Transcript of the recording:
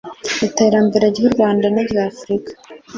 iterambere ry u rwanda n iry’ afurika